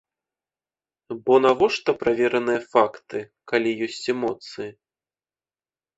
Бо навошта правераныя факты, калі ёсць эмоцыі?